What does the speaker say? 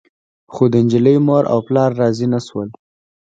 خو د نجلۍ مور او پلار راضي نه شول.